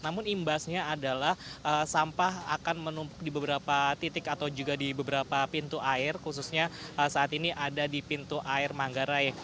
namun imbasnya adalah sampah akan menumpuk di beberapa titik atau juga di beberapa pintu air khususnya saat ini ada di pintu air manggarai